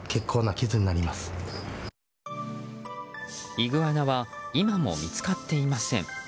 イグアナは今も見つかっていません。